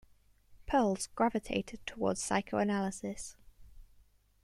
Perls gravitated toward psychoanalysis.